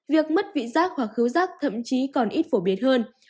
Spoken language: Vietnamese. việc mất vị giác hoặc khứu giác thậm chí còn ít phổ biến hơn